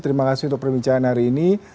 terima kasih untuk perbincangan hari ini